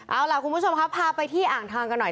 เอาล่ะคุณผู้ชมครับพาไปที่อ่างทองกันหน่อย